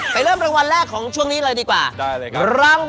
ไปเริ่มรางวัลแรกของช่วงนี้เลยดีกว่ารางวัลรางร